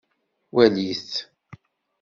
Walit.